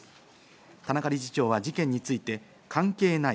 田中理事長は事件について、関係ない。